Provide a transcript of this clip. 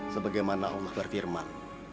sebagaimana allah berfirman